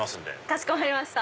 かしこまりました。